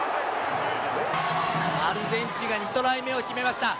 アルゼンチンが２トライ目を決めました。